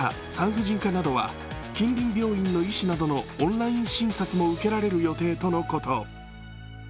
また、皮膚科や耳鼻科、産婦人科などは近隣病院の医師などのオンライン診察も受けられるとのこと。